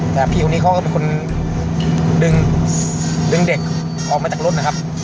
แต่พี่คนนี้เขาก็เป็นคนดึงเด็กออกมาจากรถนะครับ